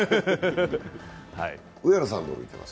上原さんはどう見てます？